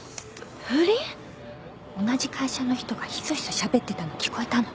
同じ会社の人がひそひそしゃべってたの聞こえたの。